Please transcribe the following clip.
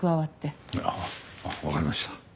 あっわかりました。